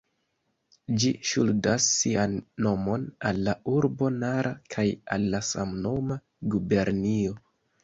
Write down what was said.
Ĝi ŝuldas sian nomon al la urbo Nara kaj al la samnoma gubernio.